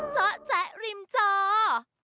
จ๊อจ๊ะริมจอร์